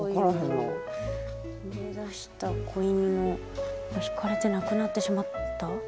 逃げ出した仔犬のひかれて亡くなってしまった？